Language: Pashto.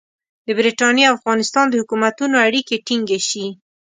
د برټانیې او افغانستان د حکومتونو اړیکې ټینګې شي.